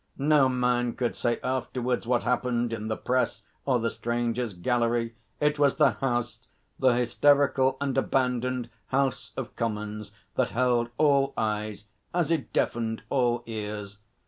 No man could say afterwards what happened in the Press or the Strangers' Gallery. It was the House, the hysterical and abandoned House of Commons that held all eyes, as it deafened all ears.